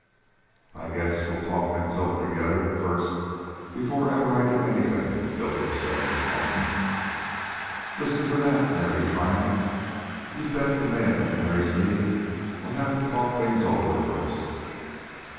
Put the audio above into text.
"I guess we'll talk things over together first before ever I do anything," Billy was saying to Saxon. "Listen to that," Mary triumphed. "You bet the man that marries me'll have to talk things over first."